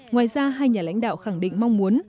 ngoài ra hai nhà lãnh đạo khẳng định mong muốn